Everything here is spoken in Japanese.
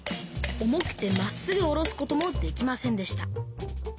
重くてまっすぐ下ろすこともできませんでした